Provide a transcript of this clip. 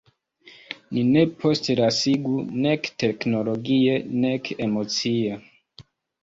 Ni ne postlasiĝu, nek teknologie nek emocie.